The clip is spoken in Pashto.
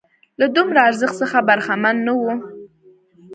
له دومره ارزښت څخه برخمن نه وو.